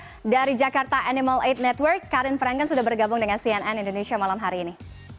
terima kasih dari jakarta animal aid network karin franken sudah bergabung dengan cnn indonesia malam hari ini